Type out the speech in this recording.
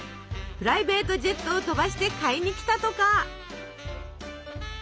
プライベートジェットを飛ばして買いに来たとか。